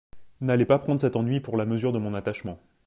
N'allez pas prendre cet ennui pour la mesure de mon attachement.